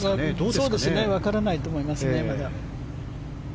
まだわからないと思いますね。